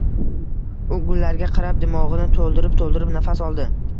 U gullarga qarab... dimog‘ini to‘ldirib-to‘ldirib nafas oldi.